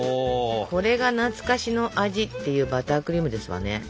これが懐かしの味っていうバタークリームですわね。